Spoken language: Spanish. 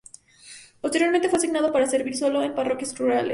Posteriormente fue asignado para servir solo en parroquias rurales.